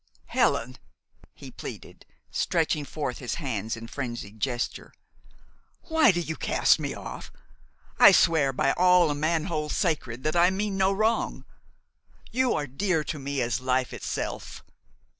"Helen," he pleaded, stretching forth his hands in frenzied gesture, "why do you cast me off? I swear by all a man holds sacred that I mean no wrong. You are dear to me as life itself.